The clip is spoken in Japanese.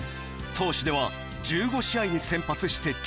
投手では１５試合に先発して９勝。